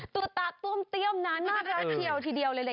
ตัวตาต้วมเตี้ยมนะน่ารักเชียวทีเดียวเลยแหละ